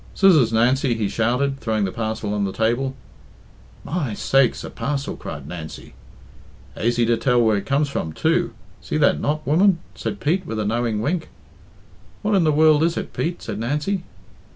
"Scissors, Nancy," he shouted, throwing the parcel on the table. "My sakes, a parcel!" cried Nancy. "Aisy to tell where it comes from, too. See that knot, woman?" said Pete, with a knowing wink. "What in the world is it, Pete?" said Nancy.